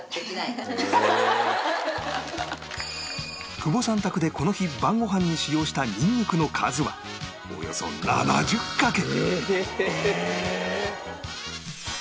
久保さん宅でこの日晩ご飯に使用したニンニクの数はおよそ７０かけ！